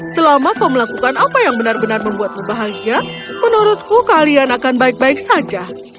selama kau melakukan apa yang benar benar membuatmu bahagia menurutku kalian akan baik baik saja